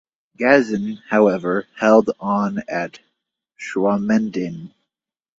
Gazan however, held on at Schwamendingen.